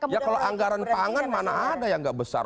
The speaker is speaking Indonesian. ya kalau anggaran pangan mana ada yang nggak besar